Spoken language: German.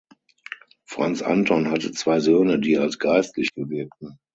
Franz Anton hatte zwei Söhne, die als Geistliche wirkten.